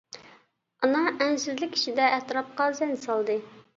ئانا ئەنسىزلىك ئىچىدە ئەتراپقا زەن سالدى!